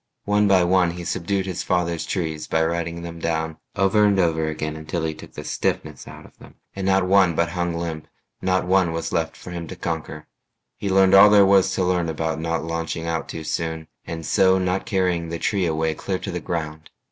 One by one he subdued his father's trees By riding them down over and over again Until he took the stiffness out of them, And not one but hung limp, not one was left For him to conquer. He learned all there was To learn about not launching out too soon And so not carrying the tree away Clear to the ground.